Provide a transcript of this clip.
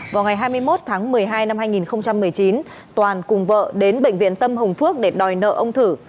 vào ngày hai mươi một tháng một mươi hai năm hai nghìn một mươi chín toàn cùng vợ đến bệnh viện tâm hồng phước để đòi nợ ông thử